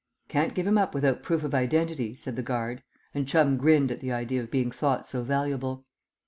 "Can't give him up without proof of identity," said the guard, and Chum grinned at the idea of being thought so valuable.